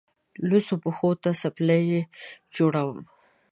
لوڅو پښو ته څپلۍ جوړوم.